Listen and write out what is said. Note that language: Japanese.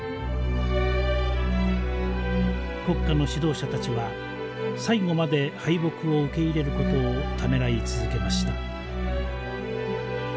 国家の指導者たちは最後まで敗北を受け入れる事をためらい続けました。